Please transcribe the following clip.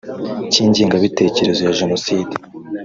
cy’ingengabitekerezo ya Jenoside